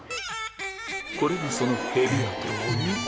これがそのヘビ跡